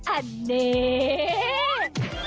อันนี้